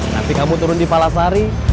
nanti kamu turun di palasari